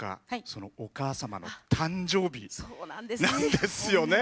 そのお母様の誕生日なんですよね。